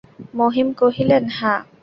মহিম কহিলেন, হাঁ।